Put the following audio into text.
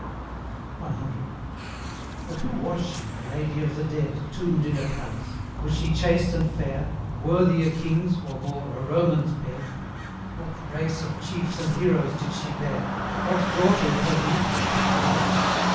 C. But who was she, the lady of the dead, Tombed in a palace? Was she chaste and fair? Worthy a king's or more a Roman's bed? What race of chiefs and heroes did she bear? What daughter of her beauties was the heir?